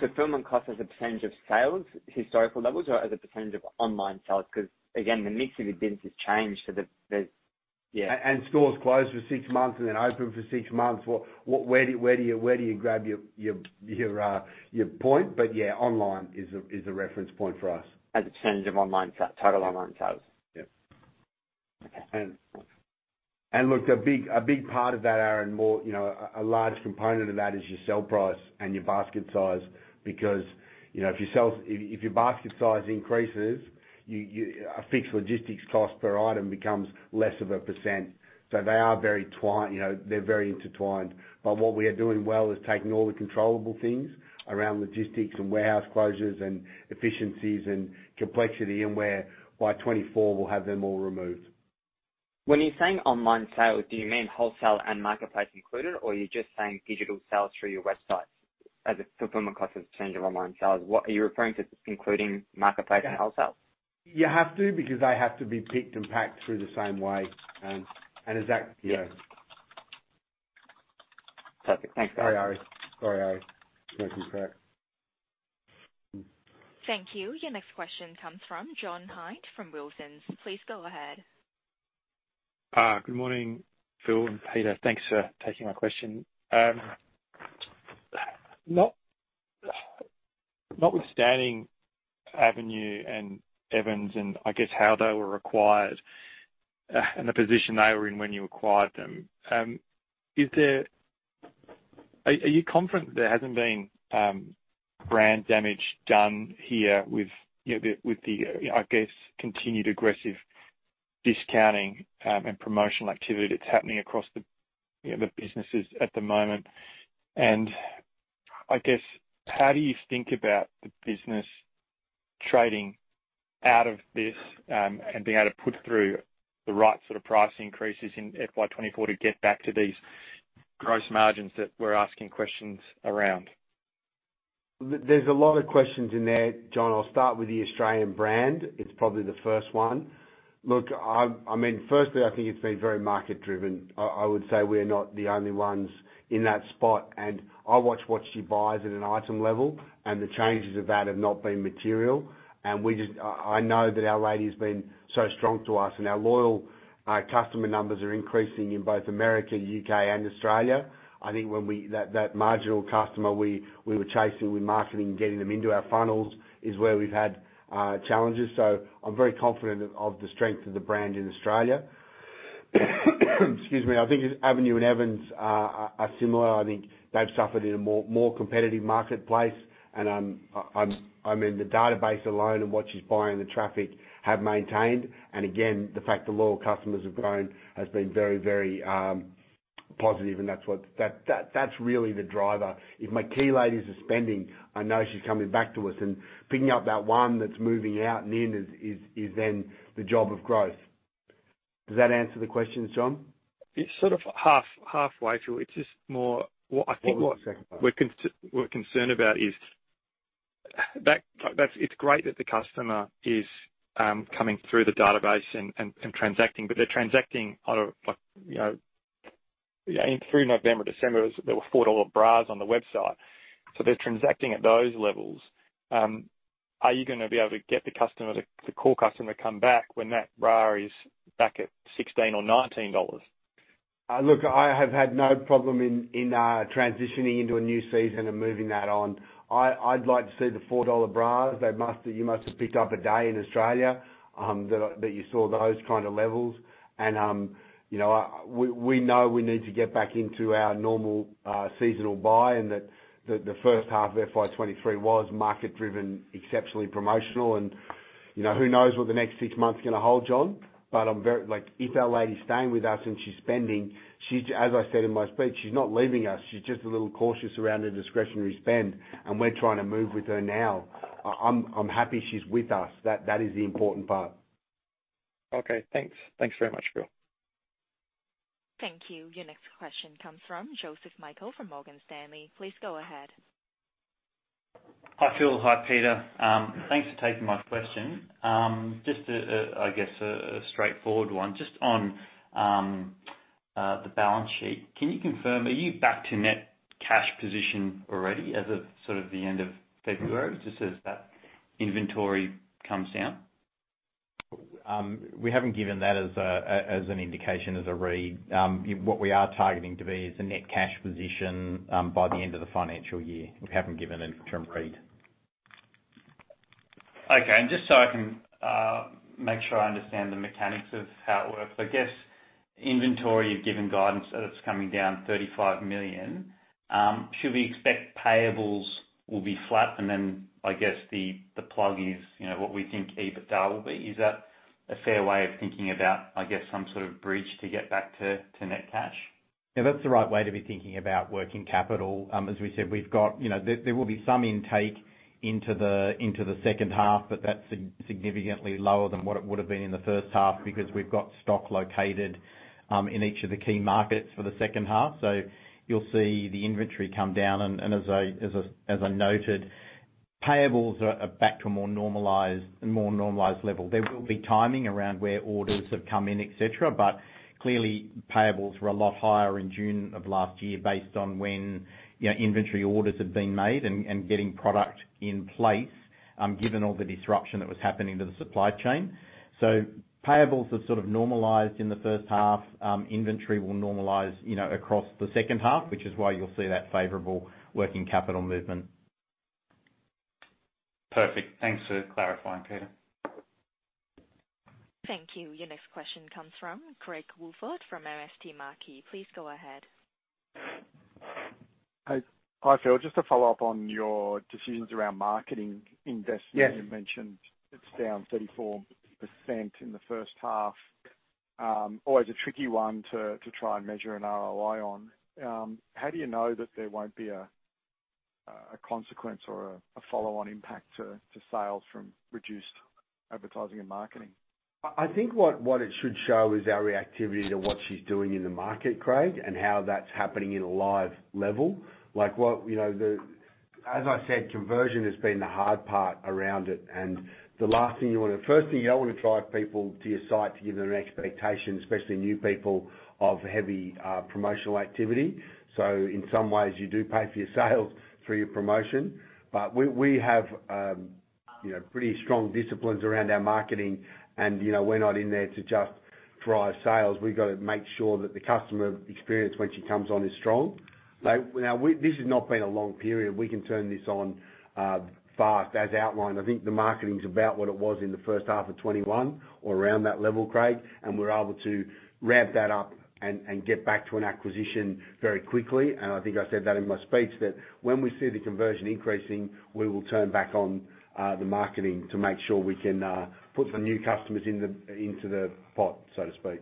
Fulfillment cost as a % of sales, historical levels or as a % of online sales? 'Cause again, the mix of your business has changed, the
Stores closed for 6 months and then open for 6 months. Well, where do you grab your point? Yeah, online is a reference point for us.
As a percentage of online total online sales.
Yeah.
Okay.
Look, a big part of that, Aryan, you know, a large component of that is your sell price and your basket size. Because, you know, if your basket size increases, a fixed logistics cost per item becomes less of a %. They are very, you know, they're very intertwined. What we are doing well is taking all the controllable things around logistics and warehouse closures and efficiencies and complexity, and where by 2024 we'll have them all removed.
When you're saying online sales, do you mean wholesale and marketplace included, or you're just saying digital sales through your website as a fulfillment cost has changed on online sales? Are you referring to including marketplace and wholesale?
You have to, because they have to be picked and packed through the same way. Is that?
Perfect. Thanks, guys.
Sorry, Aryan.
No concern.
Thank you. Your next question comes from John Hynd from Wilsons. Please go ahead.
Good morning, Phil and Peter. Thanks for taking my question. Not, notwithstanding Avenue and Evans and I guess how they were acquired, and the position they were in when you acquired them, are you confident there hasn't been brand damage done here with, you know, the, with the, I guess, continued aggressive discounting and promotional activity that's happening across the, you know, the businesses at the moment? I guess, how do you think about the business trading out of this and being able to put through the right sort of price increases in FY 2024 to get back to these gross margins that we're asking questions around?
There's a lot of questions in there, John. I'll start with the Australian brand. It's probably the first one. Look, I mean, firstly, I think it's been very market-driven. I would say we're not the only ones in that spot, and I watch what she buys at an item level, and the changes of that have not been material. I know that our lady's been so strong to us and our loyal customer numbers are increasing in both America, UK and Australia. I think that marginal customer we were chasing with marketing and getting them into our funnels is where we've had challenges. I'm very confident of the strength of the brand in Australia. Excuse me. I think Avenue and Evans are similar. I think they've suffered in a more, more competitive marketplace. I mean, the database alone and what she's buying, the traffic have maintained. Again, the fact the loyal customers have grown has been very, very positive, and that's really the driver. If my key ladies are spending, I know she's coming back to us and picking up that one that's moving out and in is then the job of growth. Does that answer the question, John?
It's sort of halfway through. It's just more what I think.
One second.
we're concerned about is. That, it's great that the customer is coming through the database and, and transacting, but they're transacting on a, like, you know. In through November, December, there were $4 bras on the website. They're transacting at those levels. Are you gonna be able to get the customer, the core customer come back when that bra is back at $16 or $19?
Look, I have had no problem in transitioning into a new season and moving that on. I'd like to see the 4 dollar bras. You must have picked up a day in Australia that you saw those kind of levels. You know, we know we need to get back into our normal seasonal buy and that the first half of FY23 was market-driven, exceptionally promotional. You know, who knows what the next 6 months is gonna hold, John. Like, if our lady's staying with us and she's spending, as I said in my speech, she's not leaving us. She's just a little cautious around her discretionary spend, and we're trying to move with her now. I'm happy she's with us. That is the important part.
Okay, thanks. Thanks very much, Phil.
Thank you. Your next question comes from Joseph Michael from Morgan Stanley. Please go ahead.
Hi, Phil. Hi, Peter. Thanks for taking my question. Just a straightforward one. Just on the balance sheet. Can you confirm, are you back to net cash position already as of sort of the end of February, just as that inventory comes down?
We haven't given that as a, as an indication, as a read. What we are targeting to be is a net cash position, by the end of the financial year. We haven't given an interim read.
Okay. Just so I can make sure I understand the mechanics of how it works. I guess, inventory, you've given guidance that it's coming down 35 million. Should we expect payables will be flat? Then I guess the plug is, you know, what we think EBITDA will be. Is that a fair way of thinking about, I guess, some sort of bridge to get back to net cash?
Yeah, that's the right way to be thinking about working capital. As we said, you know, there will be some intake into the second half, but that's significantly lower than what it would have been in the first half because we've got stock located in each of the key markets for the second half. You'll see the inventory come down. As I noted, payables are back to a more normalized level. There will be timing around where orders have come in, et cetera. Clearly, payables were a lot higher in June of last year based on when, you know, inventory orders had been made and getting product in place given all the disruption that was happening to the supply chain. Payables have sort of normalized in the first half. Inventory will normalize, you know, across the second half, which is why you'll see that favorable working capital movement.
Perfect. Thanks for clarifying, Peter.
Thank you. Your next question comes from Craig Woolford from MST Marquee. Please go ahead.
Hi. Hi, Phil. Just to follow up on your decisions around marketing investment.
Yes.
You mentioned it's down 34% in the first half. Always a tricky one to try and measure an ROI on. How do you know that there won't be a consequence or a follow-on impact to sales from reduced advertising and marketing?
I think what it should show is our reactivity to what she's doing in the market, Craig, and how that's happening in a live level. Like what, you know, As I said, conversion has been the hard part around it. The last thing you wanna first thing, you don't wanna drive people to your site to give them an expectation, especially new people, of heavy promotional activity. In some ways, you do pay for your sales through your promotion. we have, you know, pretty strong disciplines around our marketing and, you know, we're not in there to just drive sales. We've gotta make sure that the customer experience when she comes on is strong. Now, this has not been a long period. We can turn this on fast. As outlined, I think the marketing's about what it was in the first half of 2021 or around that level, Craig, and we're able to ramp that up and get back to an acquisition very quickly. I think I said that in my speech, that when we see the conversion increasing, we will turn back on the marketing to make sure we can put some new customers into the pot, so to speak.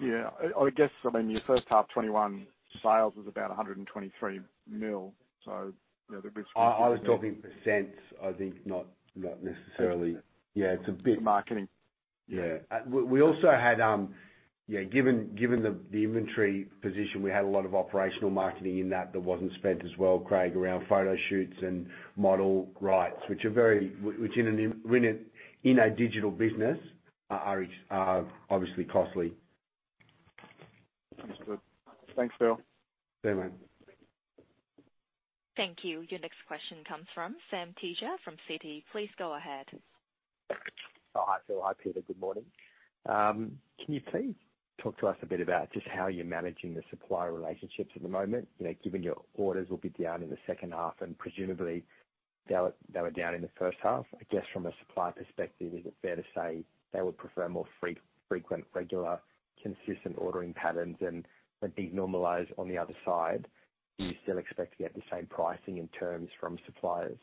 Yeah. I guess, I mean, your first half 2021 sales was about 123 million, you know.
I was talking %, I think not necessarily.
Okay.
Yeah, it's a bit.
The marketing.
Yeah. We also had given the inventory position, we had a lot of operational marketing in that that wasn't spent as well, Craig, around photo shoots and model rights, which are in a digital business are obviously costly.
Sounds good. Thanks, Phil.
See you, man.
Thank you. Your next question comes from Sam Teeger from Citi. Please go ahead.
Hi, Phil. Hi, Peter. Good morning. Can you please talk to us a bit about just how you're managing the supplier relationships at the moment? You know, given your orders will be down in the second half, presumably they were down in the first half. I guess from a supplier perspective, is it fair to say they would prefer more frequent, regular, consistent ordering patterns than denormalize on the other side? Do you still expect to get the same pricing in terms from suppliers?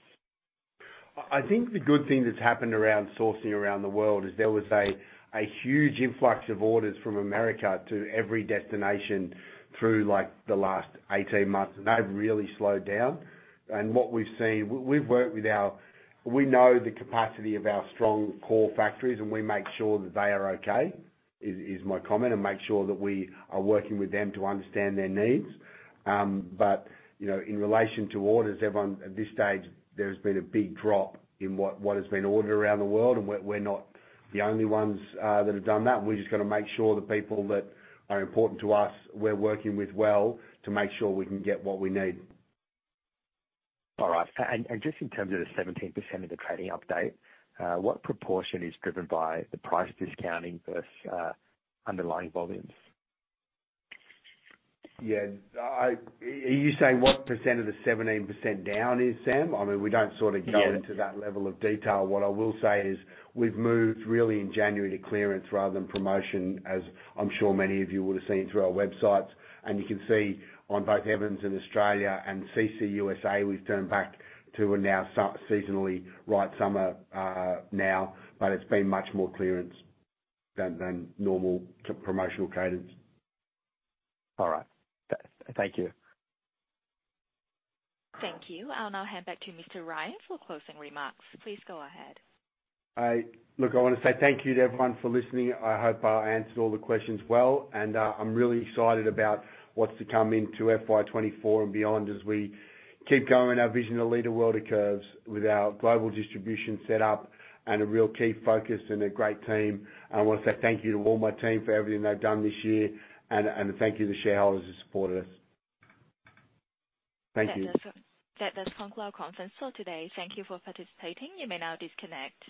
I think the good thing that's happened around sourcing around the world is there was a huge influx of orders from America to every destination through, like, the last 18 months. They've really slowed down. What we've seen, we've worked with, we know the capacity of our strong core factories, and we make sure that they are okay, is my comment, and make sure that we are working with them to understand their needs. You know, in relation to orders, at this stage, there's been a big drop in what has been ordered around the world. We're not the only ones that have done that. We've just gotta make sure the people that are important to us, we're working with well to make sure we can get what we need.
All right. Just in terms of the 17% of the trading update, what proportion is driven by the price discounting versus underlying volumes?
Yeah. Are you saying what percent of the 17% down is, Sam? I mean, we don't sort of.
Yeah
...go into that level of detail. What I will say is we've moved really in January to clearance rather than promotion, as I'm sure many of you would have seen through our websites. You can see on both Evans and Australia and CC USA, we've turned back to a now seasonally right summer, now, but it's been much more clearance than normal promotional cadence.
All right. Thank you.
Thank you. I'll now hand back to Mr. Ryan for closing remarks. Please go ahead.
I wanna say thank you to everyone for listening. I hope I answered all the questions well, I'm really excited about what's to come into FY 2024 and beyond as we keep going our vision to lead the world of curves with our global distribution setup and a real key focus and a great team. I wanna say thank you to all my team for everything they've done this year and thank you to shareholders who supported us. Thank you.
That does conclude our conference call today. Thank you for participating. You may now disconnect.